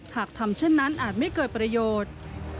หากทำเช่นนั้นอาจไม่เกิดประโยชน์